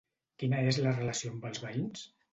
Quina és la relació amb els veïns?